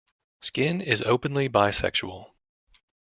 Skin is openly bisexual.